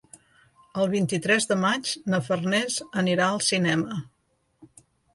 El vint-i-tres de maig na Farners anirà al cinema.